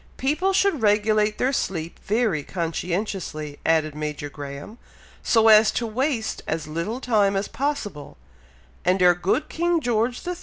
"People should regulate their sleep very conscientiously," added Major Graham, "so as to waste as little time as possible; and our good king George III.